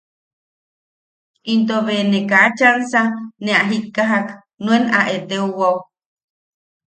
Into be ne kaa chansa ne a jikkajak nuen a eteowa’u.